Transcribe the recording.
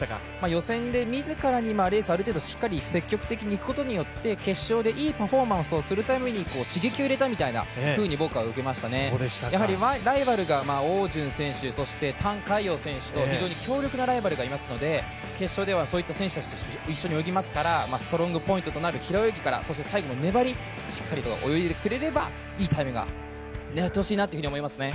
予選で自らにレースをある程度、しっかり積極的にいくことによって、決勝でいいパフォーマンスをするために刺激を入れたみたいに僕は受けましたね、やはりライバルが汪順選手、そして覃海洋選手と非常に強力なライバルがいますので決勝ではそういった選手たちと一緒に泳ぎますからストロングポイントからならる平泳ぎから、そして最後の粘り、いいタイムを狙ってほしいなと思いますね。